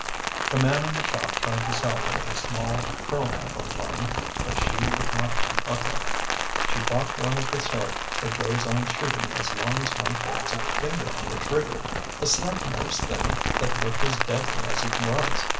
The man in the shop tried to sell her a small pearl handled one, but she would not look at it. She bought one of the sort that goes on shooting as long as one holds a finger on the trigger a snub nosed thing that looked as deadly as it was.